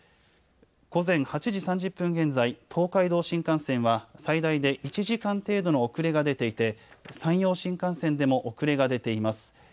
午前８時３０分現在、東海道新幹線は最大で１時間程度の遅れが出ていて山陽新幹線でも遅れが出ています。